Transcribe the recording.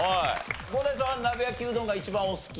伍代さんは鍋焼きうどんが一番お好き？